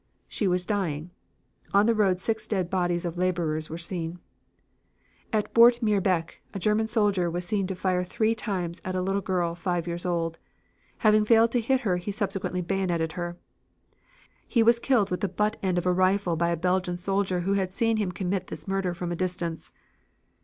She was dying. On the road six dead bodies of laborers were seen. "At Boortmeerbeek a German soldier was seen to fire three times at a little girl five years old. Having failed to hit her, he subsequently bayoneted her. He was killed with the butt end of a rifle by a Belgian soldier who had seen him commit this murder from a distance.